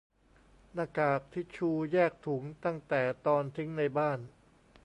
- หน้ากาก ทิชชู แยกถุงตั้งแต่ตอนทิ้งในบ้าน